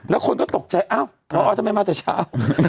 แล้วคนก็ตกใจอ้าวเพราะเอาทำไมมาจากเช้า